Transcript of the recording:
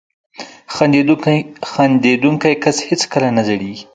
• خندېدونکی کس هیڅکله نه زړېږي.